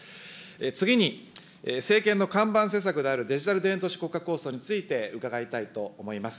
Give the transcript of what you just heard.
次に、政権の看板施策である、デジタル田園都市国家構想について、伺いたいと思います。